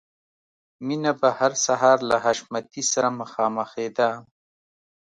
مینه به هر سهار له حشمتي سره مخامخېده